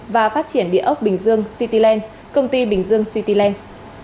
và phát triển địa ốc bình dương cityland công ty bình dương cityland